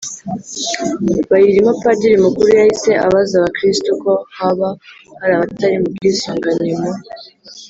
bayirimo. padiri mukuru yahise abaza abakristu ko haba hari abatari mu bwisungane mu